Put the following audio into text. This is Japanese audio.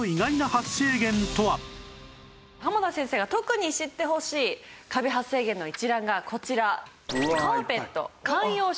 浜田先生が特に知ってほしいカビ発生源の一覧がこちら。